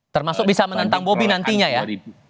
termasuk bisa menentang bobi nantinya ya